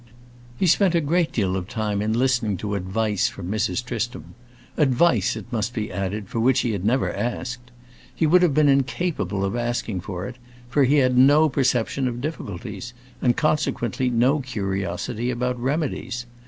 He spent a great deal of time in listening to advice from Mrs. Tristram; advice, it must be added, for which he had never asked. He would have been incapable of asking for it, for he had no perception of difficulties, and consequently no curiosity about remedies.